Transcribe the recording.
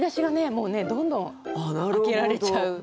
もうねどんどん開けられちゃう。